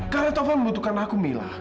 karena katovan membutuhkan aku mila